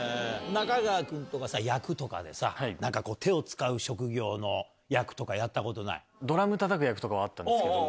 中川君とかさ、役とかでさ、なんかこう、手を使う職業の役とかやったことない？ドラムたたく役とかはあったんですけど。